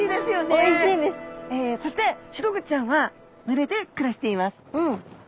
そしてシログチちゃんは群れで暮らしています。